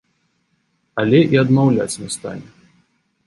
Але і адмаўляць не стане.